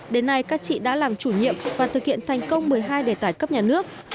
đến nay các chị đã làm chủ nhiệm và thực hiện thành công một mươi hai đề tài cấp nhà nước